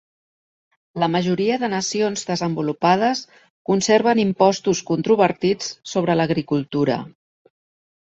La majoria de nacions desenvolupades conserven impostos controvertits sobre l'agricultura.